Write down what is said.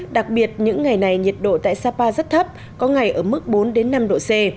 đặc biệt những ngày này nhiệt độ tại sapa rất thấp có ngày ở mức bốn năm độ c